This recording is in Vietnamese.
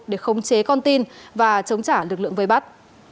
để không chế con tin và chống trả lực lượng vơi bắt